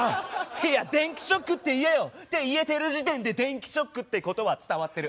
いや電気ショックって言えよ！って言えてる時点で電気ショックってことは伝わってる。